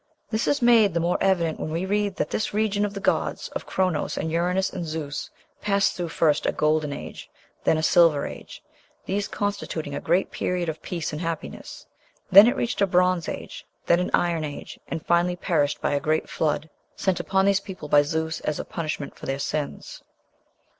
This is made the more evident when we read that this region of the gods, of Chronos and Uranos and Zeus, passed through, first, a Golden Age, then a Silver Age these constituting a great period of peace and happiness; then it reached a Bronze Age; then an Iron Age, and finally perished by a great flood, sent upon these people by Zeus as a punishment for their sins.